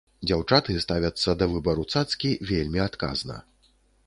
Дзяўчаты ставяцца да выбару цацкі вельмі адказна.